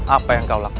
apa yang kau lakukan